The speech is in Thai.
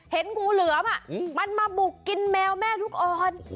เห็นงูเหลือมมันมาบุกกินแมวแม่ลูกอ่อน